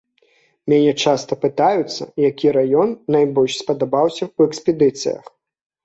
Мяне часта пытаюцца, які раён найбольш спадабаўся ў экспедыцыях.